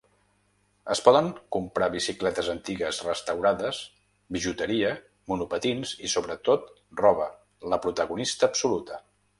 Es poden comprar bicicletes antigues restaurades, bijuteria, monopatins i, sobretot, roba, la protagonista absoluta.